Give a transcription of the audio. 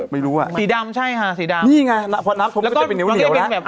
ไม่รู้อ่ะสีดำใช่ค่ะสีดำนี่ไงน้ำพลมมันจะเป็นนิ้วเหลี่ยวแล้ว